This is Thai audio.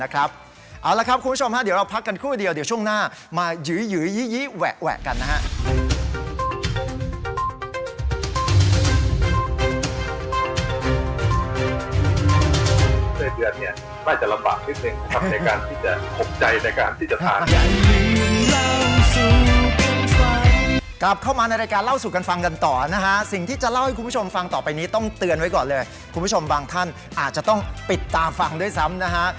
กลับเข้ามาในรายการเล่าสู่กันฟังกันต่อนะฮะสิ่งที่จะเล่าให้คุณผู้ชมฟังต่อไปนี้ต้องเตือนไว้ก่อนเลยคุณผู้ชมบางท่านอาจจะต้องปิดตาฟังด้วยซ้ำนะฮะ